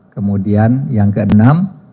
kemudian yang keenam